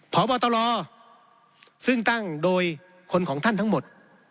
พบตรซึ่งตั้งโดยคนของท่านทั้งหมด